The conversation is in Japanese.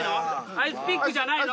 アイスピックじゃないの？